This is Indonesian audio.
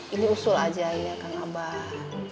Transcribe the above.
ini usul aja ya kang abah